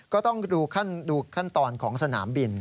ก็ต้องดูขั้นตอนของสนามบิน